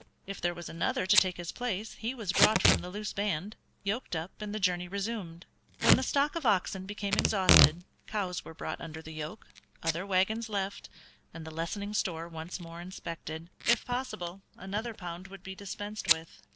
If there was another to take his place he was brought from the loose band, yoked up and the journey resumed. When the stock of oxen became exhausted, cows were brought under the yoke, other wagons left, and the lessening store once more inspected; if possible another pound would be dispensed with.